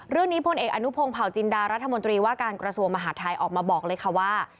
พลเอกอนุพงศ์เผาจินดารัฐมนตรีว่าการกระทรวงมหาดไทยออกมาบอกเลยค่ะว่า